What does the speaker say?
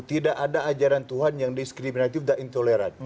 tidak ada ajaran tuhan yang diskriminatif dan intoleran